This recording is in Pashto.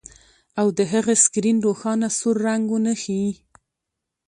او د هغه سکرین روښانه سور رنګ ونه ښيي